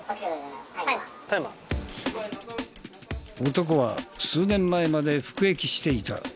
男は数年前まで服役していた。